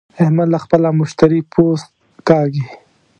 احمد له خپله مشتري پوست کاږي.